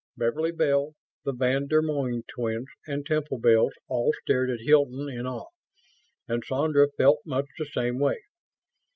Beverly Bell, the van der Moen twins and Temple Bells all stared at Hilton in awe; and Sandra felt much the same way.